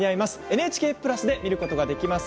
ＮＨＫプラスで見ることができます。